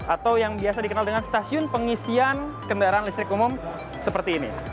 atau yang biasa dikenal dengan stasiun pengisian kendaraan listrik umum seperti ini